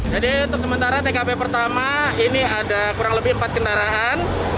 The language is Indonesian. jadi untuk sementara tkp pertama ini ada kurang lebih empat kendaraan